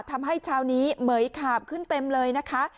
ทำให้เช้านี้เหมือยขาบขึ้นเต็มเลยนะคะ